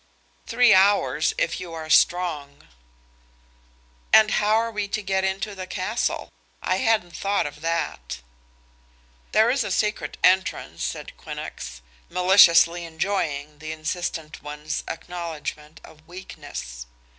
"Three hours, if you are strong." "And how are we to get into the castle? I hadn't thought of that." "There is a secret entrance," said Quinnox, maliciously enjoying the insistent one's acknowledgment of weakness.